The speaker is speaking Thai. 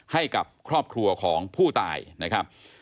ให้กับครอบครัวของผู้ตายนะครับ